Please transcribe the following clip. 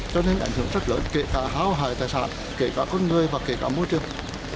cho nên ảnh hưởng rất lớn kể cả hào hại tài sản kể cả con người và kể cả môi trường